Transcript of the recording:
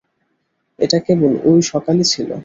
এটা কেবল ঐ সকালই ছিল।